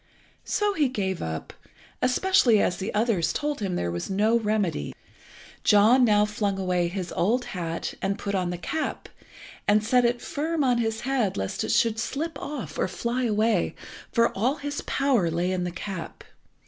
So he gave up, especially as the others told him there was no remedy. John now flung away his old hat, and put on the cap, and set it firm on his head lest it should slip off or fly away, for all his power lay in the cap.